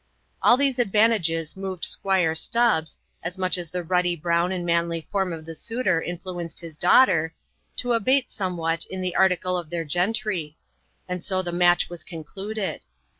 All these advantages moved Squire Stubbs, as much as the ruddy brown and manly form of the suitor influenced his daughter, to abate somewhat in the article of their gentry; and so the match was concluded.